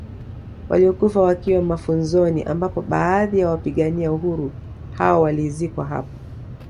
Waliokufa wakiwa mafunzoni ambapo baadhi ya wapigania uhuru hao walizikwa hapo